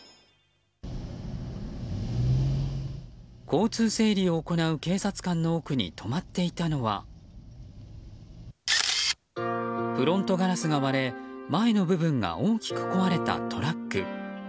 交通整理を行う警察官の奥に止まっていたのはフロントガラスが割れ前の部分が大きく壊れたトラック。